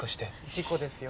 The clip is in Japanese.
事故ですよ。